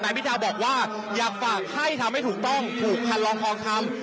พิธาบอกว่าอยากฝากให้ทำให้ถูกต้องผูกพันลองทองทำ